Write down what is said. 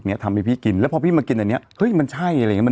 เห็นสาขาเยอะมากเยอะเยอะเยอะใช่ป่ะอ่า